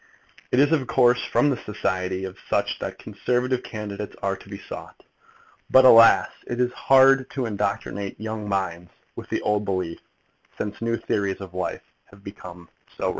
It is of course from the society of such that Conservative candidates are to be sought; but, alas, it is hard to indoctrinate young minds with the old belief, since new theories of life have become so rife!